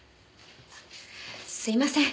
すいません。